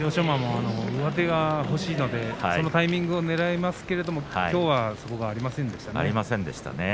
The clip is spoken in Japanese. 馬も上手が欲しいのでそのタイミングをねらえますけれどもきょうはそこはありませんでしたね。